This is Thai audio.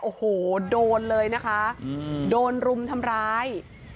โอ้โหโดนเลยนะคะโดนรุมทำร้าย